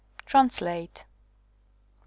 TRANSLATE 1.